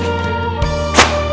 lu udah ngapain